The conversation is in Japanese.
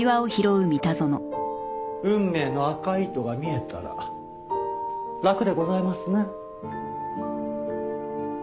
運命の赤い糸が見えたら楽でございますね。